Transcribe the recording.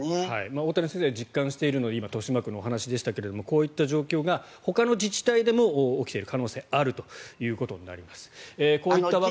大谷先生は実感しているので今、豊島区のお話でしたがこういった状況がほかの自治体でも起きている可能性があるということです。